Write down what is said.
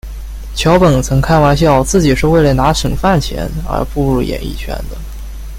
桥本曾开玩笑自己是为了拿省饭钱而踏入演艺圈的。